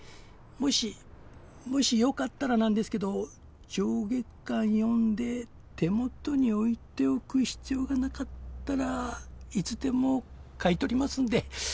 もしもしよかったらなんですけど上下巻読んで手元に置いておく必要がなかったらいつでも買い取りますんで。